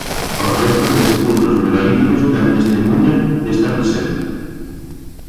Os restos de sepulcros megalíticos dan testemuña desta presenza.